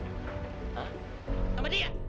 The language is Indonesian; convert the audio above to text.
hah sama dia